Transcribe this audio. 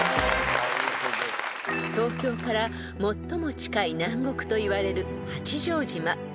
［東京から最も近い南国といわれる八丈島］